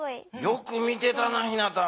よく見てたなひなた。